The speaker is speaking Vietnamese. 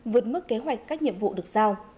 vượt mức kế hoạch các nhiệm vụ được giao